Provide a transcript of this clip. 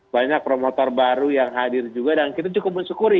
banyak promotor baru yang hadir juga dan kita cukup mensyukuri